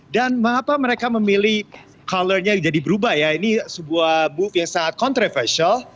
dan mengapa mereka memilih warnanya jadi berubah ya ini sebuah move yang sangat kontroversial